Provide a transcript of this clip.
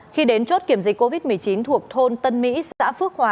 khi đến chốt kiểm dịch covid một mươi chín thuộc thôn tân mỹ xã phước hòa